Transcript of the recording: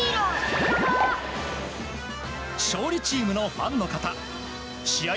勝利チームのファンの方試合